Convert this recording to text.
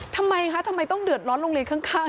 ทำไมคะทำไมต้องเดือดร้อนโรงเรียนข้าง